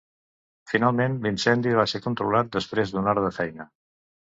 Finalment, l'incendi va ser controlat després d'una hora de feina.